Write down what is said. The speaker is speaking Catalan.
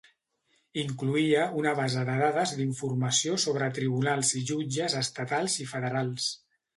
Incloïa una base de dades d’informació sobre tribunals i jutges estatals i federals.